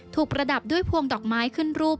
ประดับด้วยพวงดอกไม้ขึ้นรูป